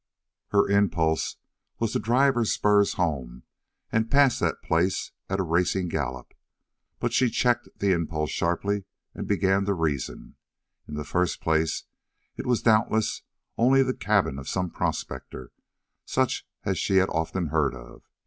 Her impulse was to drive her spurs home and pass that place at a racing gallop, but she checked the impulse sharply and began to reason. In the first place, it was doubtless only the cabin of some prospector, such as she had often heard of.